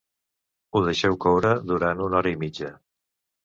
Ho deixeu coure durant una hora i mitja